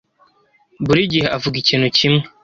buri gihe avuga ikintu kimwe